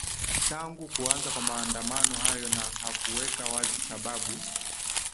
tangu kuanza kwa maandamano hayo na hakuweka wazi sababu